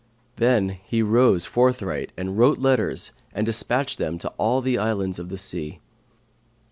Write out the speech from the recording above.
Then he rose forthright and wrote letters and despatched them to all the islands of the sea.